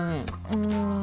うん。